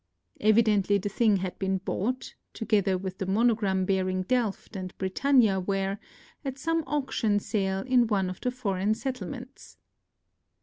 Evi dently the thing had been bought, together with the monogram bearing delft and bri tannia ware, at some auction sale in one of the foreign settlements.